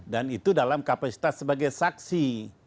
dan itu dalam kapasitas sebagai saksi